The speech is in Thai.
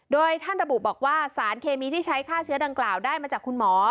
โดยท่านระบุบอกว่าสารเคมีที่ใช้ฆ่าเชื้อดังกล่าวได้มาจากคุณหมอ